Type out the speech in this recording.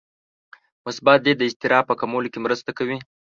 مثبت لید د اضطراب په کمولو کې مرسته کوي.